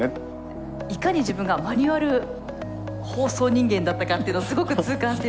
いかに自分がマニュアル放送人間だったかっていうのをすごく痛感しています。